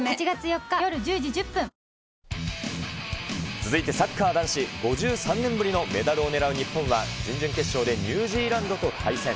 続いてサッカー男子、５３年ぶりのメダルを狙う日本は、準々決勝でニュージーランドと対戦。